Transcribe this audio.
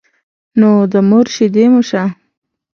نو د مور شيدې مو شه.